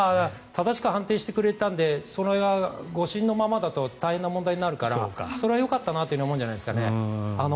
正しく判定してくれたので誤審のままだと大変な問題になるからそれはよかったなと思うんじゃないですかね。